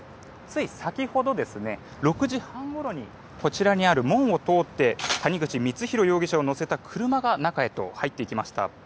つい先ほど、６時半ごろにこちらにある門を通って谷口光弘容疑者を乗せた車が中へと入っていきました。